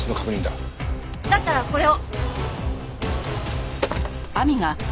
だったらこれを。